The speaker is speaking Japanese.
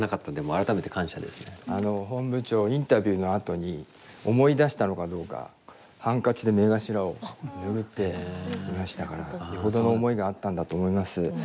あの本部長インタビューのあとに思い出したのかどうかハンカチで目頭を拭っていましたからよほどの思いがあったんだと思います。